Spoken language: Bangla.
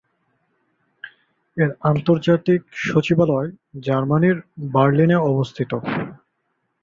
এর আন্তর্জাতিক সচিবালয় জার্মানীর বার্লিনে অবস্থিত।